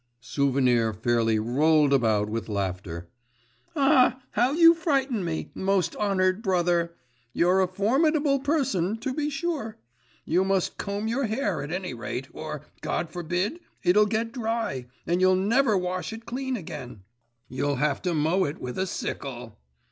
Souvenir fairly rolled about with laughter. 'Ah, how you frighten me, most honoured brother. You're a formidable person, to be sure. You must comb your hair, at any rate, or, God forbid, it'll get dry, and you'll never wash it clean again; you'll have to mow it with a sickle.